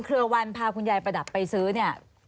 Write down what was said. ถ้าผมพาคุณยายประดับไปซื้อเนี่ย